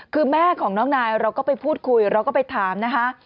คือแม่ของน้องนายเราก็ไปพูดคุยเราก็ไปถามนะคะ